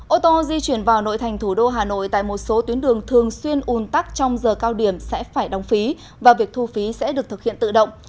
ô tô di chuyển vào nội thành thủ đô hà nội tại một số tuyến đường thường xuyên un tắc trong giờ cao điểm sẽ phải đóng phí và việc thu phí sẽ được thực hiện tự động